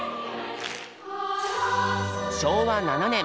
昭和７年。